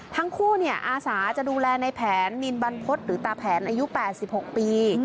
อาสาจะดูแลในแผนนินบรรพฤษหรือตาแผนอายุ๘๖ปี